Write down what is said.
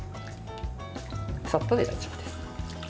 さっとで大丈夫です。